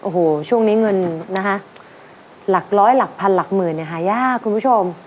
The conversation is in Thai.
โอ้โหช่วงนี้เงินนะคะหลักร้อยหลักพันหลักหมื่นเนี่ยหายากคุณผู้ชม